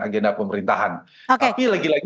agenda pemerintahan tapi lagi lagi